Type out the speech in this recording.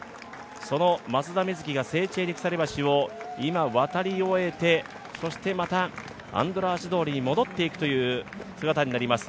その松田瑞生がセーチェーニ鎖橋を渡り終えてそしてまたアンドラーシ通りに戻っていくという姿になります。